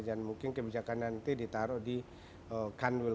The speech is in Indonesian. dan mungkin kebijakan nanti ditaruh di kanwil kanwil